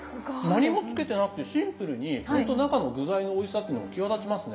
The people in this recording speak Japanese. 何もつけてなくてシンプルにほんと中の具材のおいしさってのが際立ちますね。